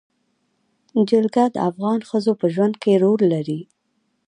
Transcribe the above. جلګه د افغان ښځو په ژوند کې رول لري.